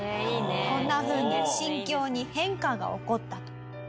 こんなふうに心境に変化が起こったと。